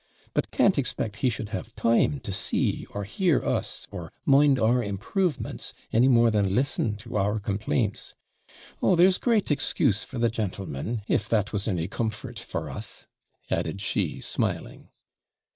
but can't expect he should have time to see or hear us, or mind our improvements, any more than listen to our complaints! Oh, there's great excuse for the gentleman, if that was any comfort for us,' added she, smiling.